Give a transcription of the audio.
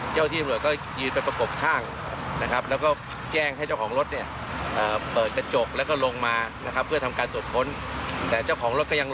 เจ้าที่ตำรวจก็พยายามจะหยุดยั้ง